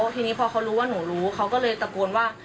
ทีนี้พอเขารู้ว่าหนูรู้เขาก็เลยตะโกนว่า